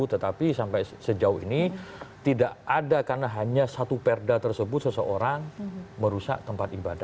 tetapi sampai sejauh ini tidak ada karena hanya satu perda tersebut seseorang merusak tempat ibadah